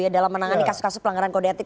dalam menangani kasus kasus pelanggaran kode etik